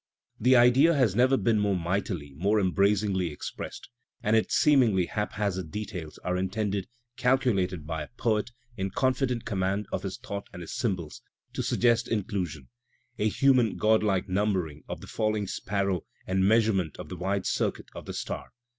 The idea has never been more mightily, more embradngly expressed, and its seemingly haphazard details are intended, calculated by a poet in confident command of his thought and his i^mbols, to suggest inclusion, a human godlike numbering of the falling sparrow and measurement of the 1 wide circuit of the star.